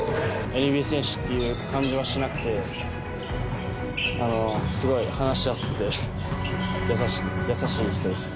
ＮＢＡ選手っていう感じはしなくて、すごい話しやすくて、優しい人です。